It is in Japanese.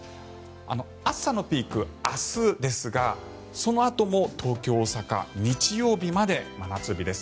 暑さのピークは明日ですがそのあとも東京、大阪日曜日まで真夏日です。